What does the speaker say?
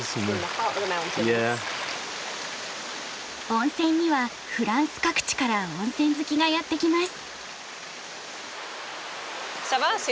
温泉にはフランス各地から温泉好きがやって来ます。